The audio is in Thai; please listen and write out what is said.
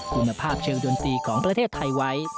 คุณภาพเชิงดนตรีของประเทศไทยไว้